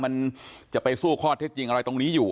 มันจะไปสู้ข้อเท็จจริงอะไรตรงนี้อยู่